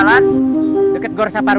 satu tempat gak bisa kysko